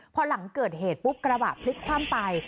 พอหลังเกิดเหตุปุ๊บกระบะพลิกคว่ำไป